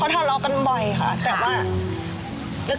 เขาทะเลากันบ่อยค่ะแต่ว่าครับ